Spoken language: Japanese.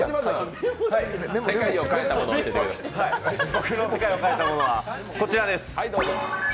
僕の世界を変えたものはこちらです。